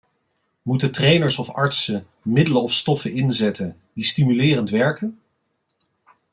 Moeten trainers of artsen middelen of stoffen inzetten die stimulerend werken?